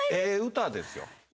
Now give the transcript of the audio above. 歌ですよ。